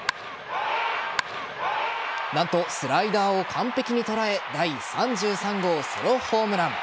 何と、スライダーを完璧に捉え第３３号ソロホームラン。